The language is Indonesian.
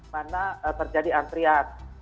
mana terjadi antrian